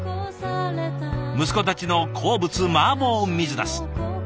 息子たちの好物マーボー水なす。